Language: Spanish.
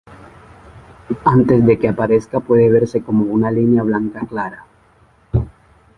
Antes de que aparezca puede verse como una línea blanca clara.